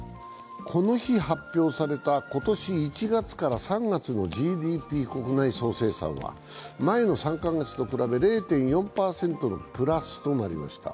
この日、発表された今年１月から３月のＧＤＰ国内総生産は前の３か月と比べ０．４％のプラスとなりました。